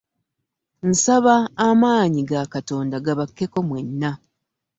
Nsaba amaanyi ga Katonda gabakkeko mwenna.